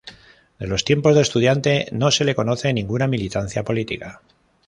De los tiempos de estudiante no se le conoce ninguna militancia política.